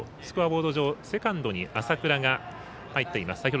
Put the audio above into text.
スコアボード上セカンドに朝倉が入っています。